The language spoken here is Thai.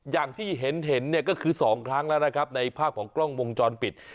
อย่างที่เห็นเนี่ยก็คือ๒ครั้งแล้วนะครับในภาพของกล้องวงจรปิด